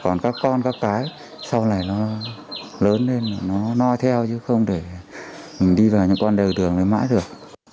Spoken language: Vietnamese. còn các con các cái sau này nó lớn lên nó noi theo chứ không để mình đi vào những con đường này mãi được